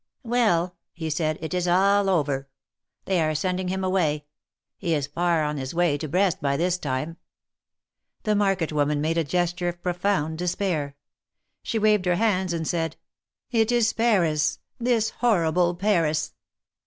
''Well!" he said, "it is all over. They are sending him away. He is far on his way to Brest by this time." The market woman made a gesture of profound despair. She waved her hands and said: "It is Paris — this horrible Paris!"